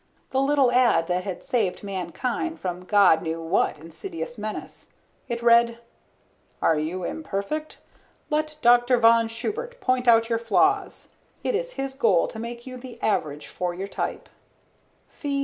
The little ad that had saved mankind from God knew what insidious menace. It read: ARE YOU IMPERFECT? LET DR. VON SCHUBERT POINT OUT YOUR FLAWS IT IS HIS GOAL TO MAKE YOU THE AVERAGE FOR YOUR TYPE FEE $3.